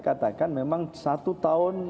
katakan memang satu tahun